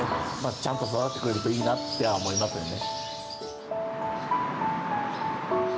ちゃんと育ってくれればいいなと思いますよね。